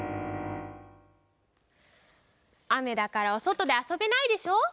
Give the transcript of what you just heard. あめだからおそとであそべないでしょ。